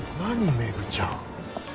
メグちゃん。